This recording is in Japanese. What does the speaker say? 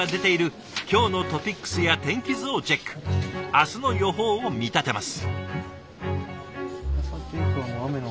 明日の予報を見立てます。